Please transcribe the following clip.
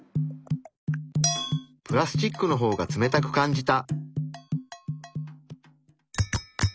プラスチックの方が冷たく感じた。